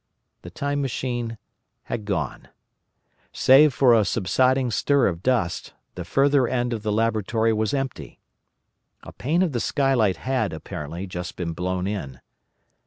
The Time Machine had gone. Save for a subsiding stir of dust, the further end of the laboratory was empty. A pane of the skylight had, apparently, just been blown in.